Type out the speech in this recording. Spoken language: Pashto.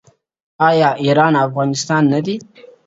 • هغې ته غرونه واوري او فضا ټول د خپل غم برخه ښکاري..